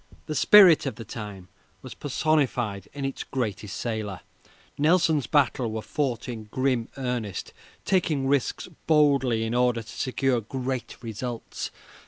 The spirit of the time was personified in its greatest sailor. Nelson's battles were fought in grim earnest, taking risks boldly in order to secure great results.